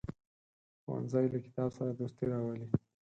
ښوونځی له کتاب سره دوستي راولي